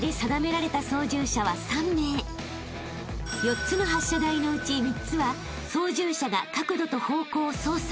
［４つの発射台のうち３つは操縦者が角度と方向を操作］